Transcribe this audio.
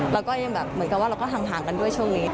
เราก็ยังแบบเหมือนกับว่าเราก็ห่างกันด้วยช่วงนี้